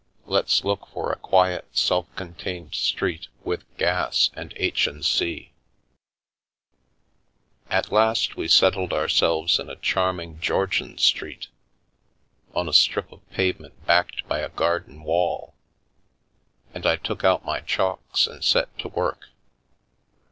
Let's look for a quiet self contained road with gas and h. & c." At last we settled ourselves in a charming Georgian street, on a strip of pavement backed by a garden wall, and I took out my chalks and set to work.